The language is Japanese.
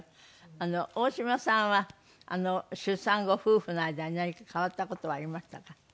大島さんは出産後夫婦の間に何か変わった事はありましたか？